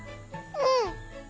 うん！